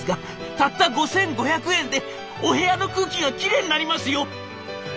たった５，５００円でお部屋の空気がきれいになりますよ」。